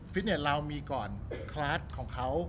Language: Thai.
ฟิตเน็ตเรามีก่อนคลาสของเขา